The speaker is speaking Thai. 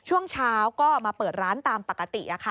ช่วงเช้าก็มาเปิดร้านตามปกติ